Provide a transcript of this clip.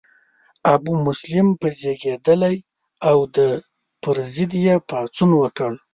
ابومسلم په زیږیدلی او د پر ضد یې پاڅون وکړ.